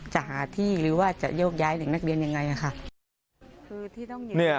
จะหาที่หรือว่าจะโยกย้ายหนึ่งนักเรียนยังไงฮะ